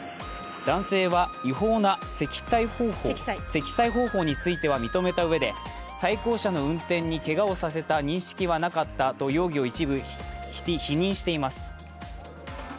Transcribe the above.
男性は、違法な積載方法については認めたうえで対向車の運転手にけがをさせた認識はなかったと容疑を一部否認しています。